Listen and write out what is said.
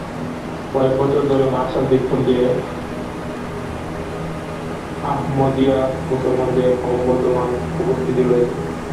কয়েক বছর ধরে মার্শাল দ্বীপপুঞ্জে আহমদীয়া মুসলমানদের ক্রমবর্ধমান উপস্থিতি রয়েছে।